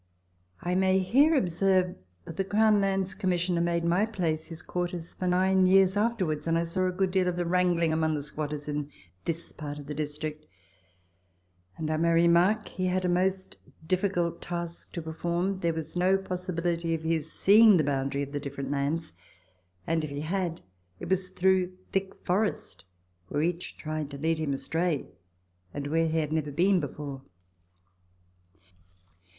I may here observe that the CroAvn Lands Commissioner made my place his quarters for nine years afterwards, and I saw a good deal of the wrangling among the squatters in this part of the district, and I may remark he had a most difficult task to perform there was no posssibility of his seeing the boundary of the different lands, and if he had, it was through thick forest, where each tried to lead him astray, and where he had never been before.